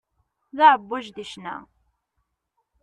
D aεebbwaj di ccna.